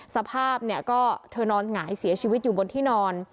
สภาพเนี่ยก็เธอนอนหงายเสียชีวิตอยู่บนที่นอน